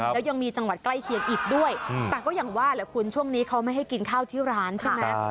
แล้วยังมีจังหวัดใกล้เคียงอีกด้วยแต่ก็อย่างว่าแหละคุณช่วงนี้เขาไม่ให้กินข้าวที่ร้านใช่ไหม